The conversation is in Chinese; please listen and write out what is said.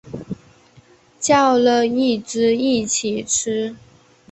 叫了一只一起吃